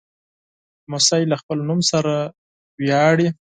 لمسی له خپل نوم سره ویاړي.